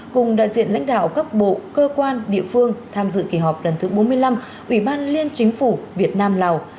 cùng đại diện lãnh đạo các bộ cơ quan địa phương tham dự kỳ họp lần thứ bốn mươi năm ủy ban liên chính phủ việt nam lào